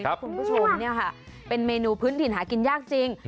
คุณผู้ชมเนี่ยค่ะเป็นเมนูพื้นถิ่นหากินยากจริง